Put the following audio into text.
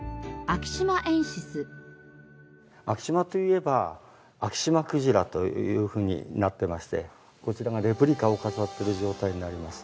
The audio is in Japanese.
昭島といえばアキシマクジラというふうになってましてこちらがレプリカを飾ってる状態になります。